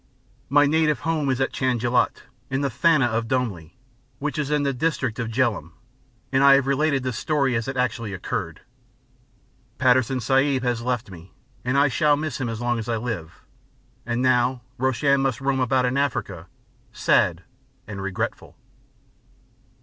My native home is at Chajanlat, in the thana of Domli, which is in the district of Jhelum, and I have related this story as it actually occurred. Patterson Sahib has left me, and I shall miss him as long as I live, and now Roshan must roam about in Africa, sad and regretful.